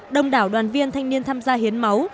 đông đảo đoàn viên thanh niên tham gia hiến máu